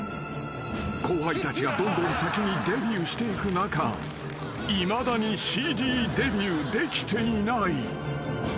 ［後輩たちがどんどん先にデビューしていく中いまだにＣＤデビューできていない］